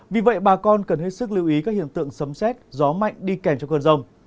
vì vậy bà con cần hết sức lưu ý các hiện tượng sấm xét gió mạnh đi kèm cho cơn rông